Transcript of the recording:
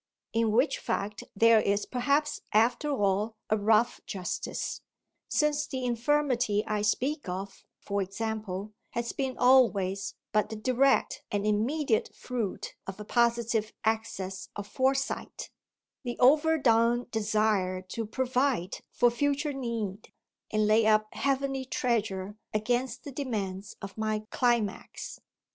In which fact there is perhaps after all a rough justice since the infirmity I speak of, for example, has been always but the direct and immediate fruit of a positive excess of foresight, the overdone desire to provide for future need and lay up heavenly treasure against the demands of my climax.